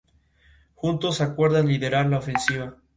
Juntos acuerdan liderar la ofensiva.